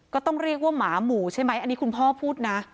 ก็ต้องเรียกว่าหมาหมู่ใช่ไหมอันนี้คุณพ่อพูดนะ